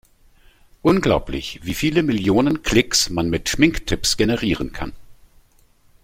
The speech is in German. Unglaublich, wie viele Millionen Klicks man mit Schminktipps generieren kann!